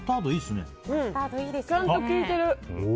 ちゃんと効いてる！